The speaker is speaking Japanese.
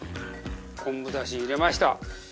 昆布ダシ入れました！